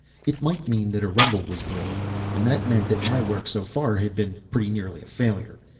It might mean that a rumble was brewing and that meant that my work so far had been pretty nearly a failure.